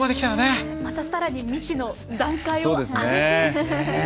またさらに未知の段階を上げて。